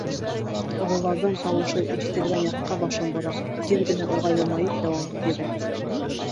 Ололарҙың тауышы ишетелгән яҡҡа башын бора, тиҙ генә уға йылмайып яуап бирә.